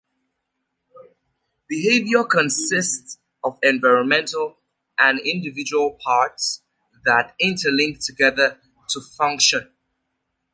Behavior consist of environmental and individual parts that interlink together to function.